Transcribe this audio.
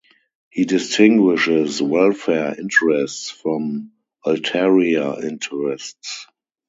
He distinguishes "welfare interests" from "ulterior interests".